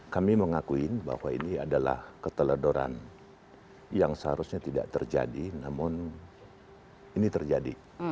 kami mengakui bahwa ini adalah keteledoran yang seharusnya tidak terjadi namun ini terjadi